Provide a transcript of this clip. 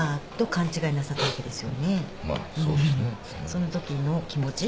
そのときの気持ち？